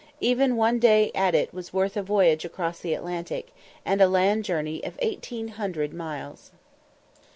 Even one day at it was worth a voyage across the Atlantic, and a land journey of eighteen hundred miles.